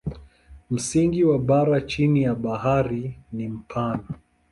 Msingi wa bara chini ya bahari ni mpana.